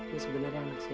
lu sebenarnya anak siapa sih